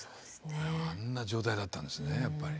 あんな状態だったんですねやっぱり。